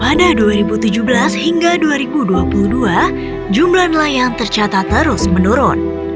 pada dua ribu tujuh belas hingga dua ribu dua puluh dua jumlah nelayan tercatat terus menurun